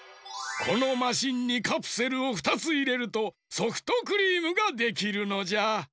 このマシンにカプセルを２ついれるとソフトクリームができるのじゃ！